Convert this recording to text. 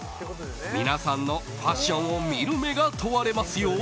皆さんのファッションを見る目が問われますよ。